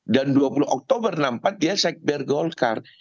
dan dua puluh oktober seribu sembilan ratus enam puluh empat dia sekber golkar